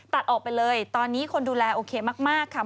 ตัดออกไปเลยตอนนี้คนดูแลโอเคมากค่ะ